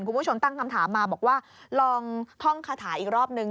คุณผู้ชมตั้งคำถามมาบอกว่าลองท่องคาถาอีกรอบนึง